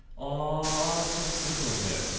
ちょっと滑ってますね。